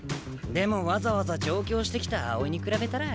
でもわざわざ上京してきた青井に比べたら。